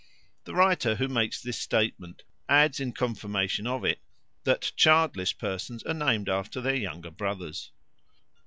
The writer who makes this statement adds in confirmation of it that childless persons are named after their younger brothers.